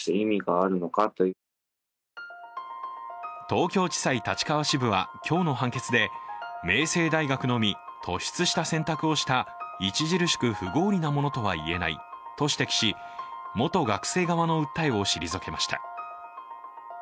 東京地裁立川支部は今日の判決で明星大学のみ突出した選択をした、著しく不合理なものとは言えないと指摘し元学生側の訴えを退きました。